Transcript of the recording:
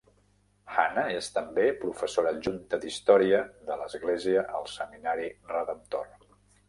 Hannah és també professora adjunta d'història de l'església al seminari Redemptor.